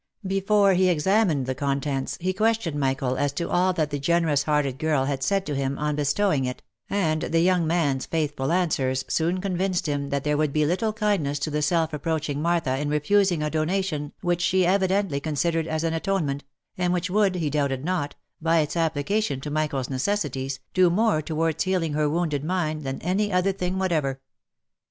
Before he examined the contents he questioned Michael as to all that the generous hearted girl had said to him, on bestowing it, and the young man's faithful answers soon convinced him that there would be little kindness to the self reproaching Martha in refusing a donation which she evidently considered as an atonement, and which would, he doubted not, by its application to Michael's necessities, do more towards healing her wounded mind than any other thing what ever.